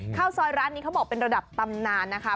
ข้าวซอยร้านนี้เขาบอกเป็นระดับตำนานนะคะ